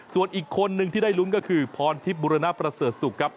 ส่วนอีกคนนึงที่ได้ลุ้นก็คือพรทิพย์บุรณประเสริฐศุกร์ครับ